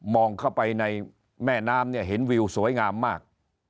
เข้าไปในแม่น้ำเนี่ยเห็นวิวสวยงามมาก